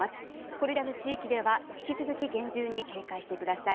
これらの地域では引き続き厳重に警戒してください。